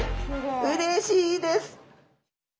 うれしいです！